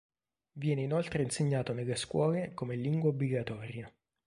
Viene inoltre insegnato nelle scuole come lingua obbligatoria.